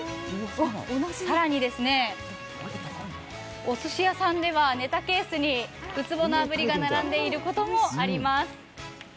更にですね、おすし屋さんではネタケースにうつぼのあぶりが並んでいることもあります。